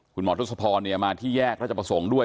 คุณหมอทศพรมาที่แยกราชประสงค์ด้วย